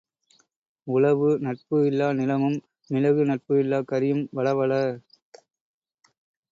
உழவு நட்பு இல்லா நிலமும் மிளகு நட்பு இல்லாக் கறியும் வழ வழ.